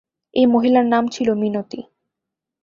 এই মহিলার নাম ছিল মিনতি।